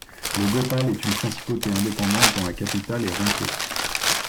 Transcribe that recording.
Le Gopal est une principauté indépendante dont la capitale est Rankot.